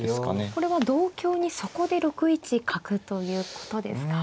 これは同香にそこで６一角ということですか。